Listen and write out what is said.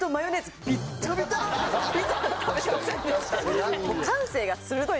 確かにな。